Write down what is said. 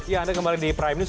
ya anda kembali di prime news